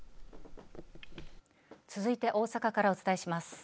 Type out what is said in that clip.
続いて大阪からお伝えします。